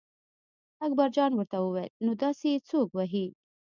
اکبرجان ورته وویل نو داسې یې څوک وهي.